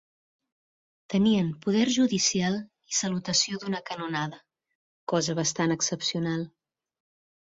Tenien poder judicial i salutació d'una canonada, cosa bastant excepcional.